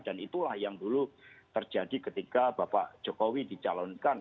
dan itulah yang dulu terjadi ketika bapak jokowi dicalonkan